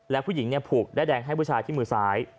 และผู้หญิงผูกด้ายแดงให้ผู้ชายที่มือซ้าย